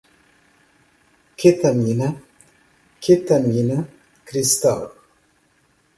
ketamina, quetamina, cristal